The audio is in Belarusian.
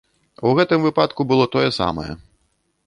У гэтым выпадку было тое самае.